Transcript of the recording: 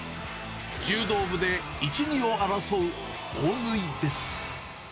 柔道部で１、２を争う大食いです。